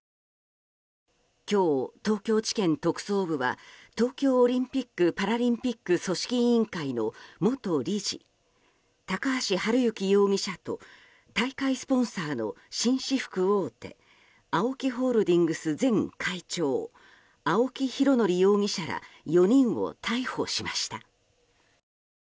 今日、東京地検特捜部は東京オリンピック・パラリンピック組織委員会の元理事、高橋治之容疑者と大会スポンサーの紳士服大手ＡＯＫＩホールディングス前会長青木拡憲容疑者ら４人を逮捕しました。